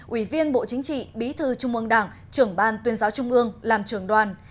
ủy viên bộ chính trị bí thư trung ương đảng trưởng ban tuyên giáo trung ương làm trưởng đoàn